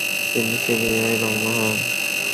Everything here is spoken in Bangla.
তিনি সিরিয়ায় রওয়ানা হন।